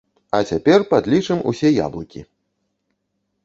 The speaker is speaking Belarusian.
А цяпер падлічым усе яблыкі!